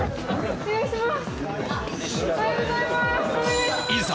お願いします